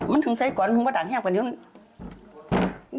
มันทั้งใส่กรอนมันก็ดังแฮบกว่านิดนึง